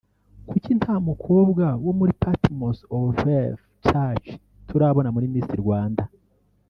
Kuki nta mukobwa wo muri Patmos of Faith church turabona muri Miss Rwanda